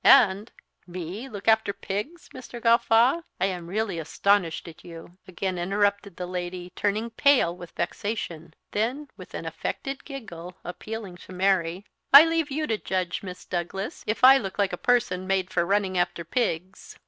And " "Me look after pigs, Mr. Gawffaw! I am really astonished at you!" again interrupted the lady, turning pale with vexation. Then, with an affected giggle, appealing to Mary, "I leave you to judge, Miss Douglas, if I look like a person made for running after pigs!"